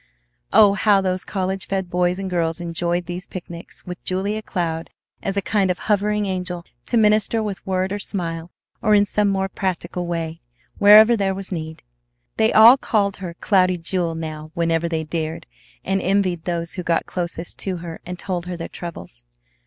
Oh, how those college fed boys and girls enjoyed these picnics, with Julia Cloud as a kind of hovering angel to minister with word or smile or in some more practical way, wherever there was need! They all called her "Cloudy Jewel" now whenever they dared, and envied those who got closest to her and told her their troubles.